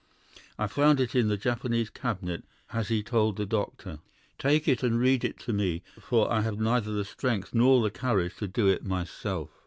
I found it in the Japanese cabinet, as he told the doctor. Take it and read it to me, for I have neither the strength nor the courage to do it myself.